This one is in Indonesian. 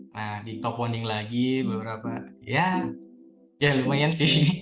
nah di top bonding lagi beberapa ya ya lumayan sih